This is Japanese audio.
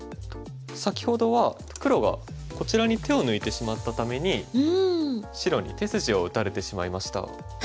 先ほどは黒がこちらに手を抜いてしまったために白に手筋を打たれてしまいました。